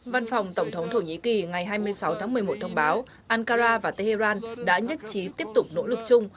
văn phòng tổng thống thổ nhĩ kỳ ngày hai mươi sáu tháng một mươi một thông báo ankara và tehran đã nhất trí tiếp tục nỗ lực chung